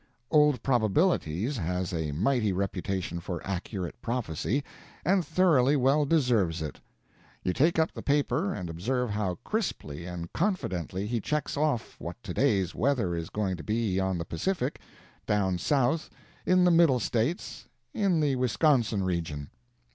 Old Probabilities has a mighty reputation for accurate prophecy, and thoroughly well deserves it. You take up the paper and observe how crisply and confidently he checks off what to day's weather is going to be on the Pacific, down South, in the Middle States, in the Wisconsin region.